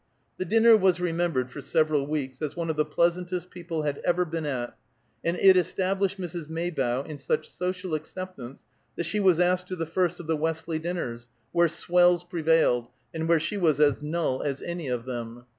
The dinner was remembered for several weeks as one of the pleasantest people had ever been at, and it established Mrs. Maybough in such social acceptance that she was asked to the first of the Westley dinners, where swells prevailed, and where she was as null as any of them.